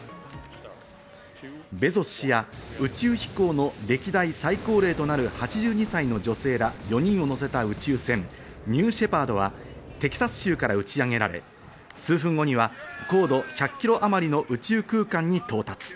ベゾス氏や宇宙飛行の歴代最高齢となる８２歳の女性ら４人を乗せた宇宙船・ニューシェパードはテキサス州から打ち上げられ、数分後には高度１００ｋｍあまりの宇宙空間に到達。